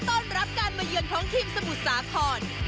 ต้อนรับการมาเยือนของทีมสมุทรสาคร